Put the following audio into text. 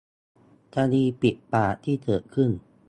คดี ปิดปาก ที่เกิดขึ้น